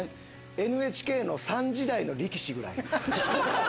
ＮＨＫの３時台の力士ぐらい。